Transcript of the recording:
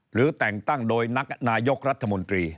หรือแต่งตั้งโดยนักนายกรัฐมนตรี